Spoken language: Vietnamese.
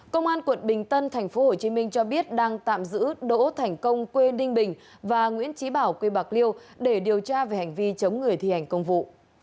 công an quận bình tân tp hcm cho biết đang tạm giữ đỗ thành công quê ninh bình và nguyễn trí bảo quê bạc liêu để điều tra về hành vi chống người thi hành công vụ